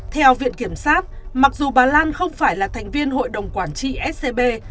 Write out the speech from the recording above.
theo viện kiểm sát mặc dù bà lan không phải là thành viên hội đồng quản trị scb